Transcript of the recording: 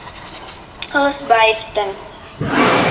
Ҡылысбаевтың: